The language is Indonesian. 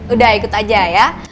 udah ikut aja ya